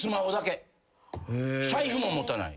財布も持たない。